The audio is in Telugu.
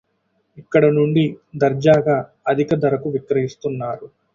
ఇక్కడి నుండి దర్జాగా అధిక ధరకు విక్రయిస్తున్నారు